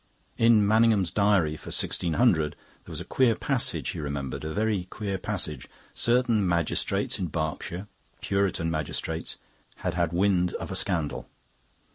In Manningham's Diary for 1600 there was a queer passage, he remembered, a very queer passage. Certain magistrates in Berkshire, Puritan magistrates, had had wind of a scandal.